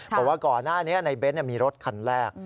บอกว่าก่อนหน้านี้ในเน้นมีรถคันแรก